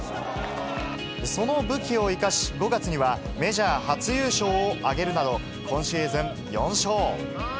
その武器を生かし、５月にはメジャー初優勝を挙げるなど、今シーズン４勝。